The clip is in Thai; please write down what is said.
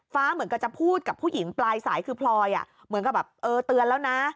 เหมือนกับจะพูดกับผู้หญิงปลายสายคือพลอยเหมือนกับแบบเออเตือนแล้วนะ